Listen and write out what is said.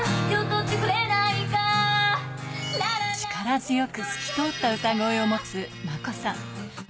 力強く、透き通った歌声を持つ真子さん。